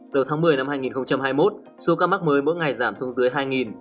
đầu tháng một mươi năm hai nghìn hai mươi một số ca mắc mới mỗi ngày giảm xuống dưới hai